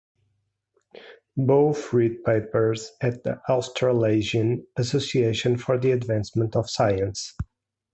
Both read papers at the Australasian Association for the Advancement of Science.